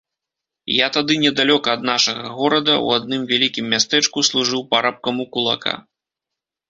Я тады недалёка ад нашага горада, у адным вялікім мястэчку, служыў парабкам у кулака.